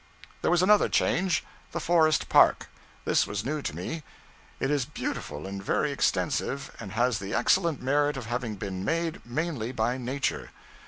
There was another change the Forest Park. This was new to me. It is beautiful and very extensive, and has the excellent merit of having been made mainly by nature.